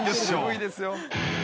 渋いですよ。